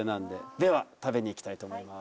では食べに行きたいと思います。